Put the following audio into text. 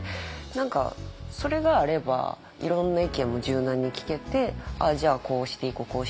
何かそれがあればいろんな意見も柔軟に聞けて「ああじゃあこうしていこう。